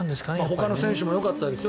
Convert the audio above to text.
ほかの選手もよかったですよ。